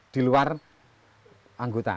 di luar anggota